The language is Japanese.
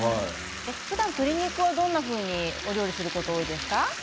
ふだん鶏肉はどんなふうにお料理することが多いですか。